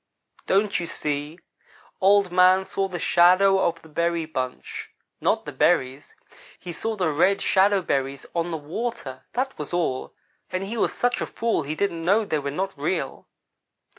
Don't you see? Old man saw the shadow of the berry bunch; not the berries. He saw the red shadow berries on the water; that was all, and he was such a fool he didn't know they were not real.